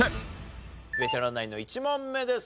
ベテランナインの１問目です。